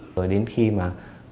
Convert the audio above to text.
rồi đến khi mà